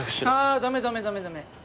あダメダメダメダメ